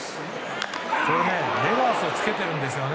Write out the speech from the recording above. レガースをつけているんですよね。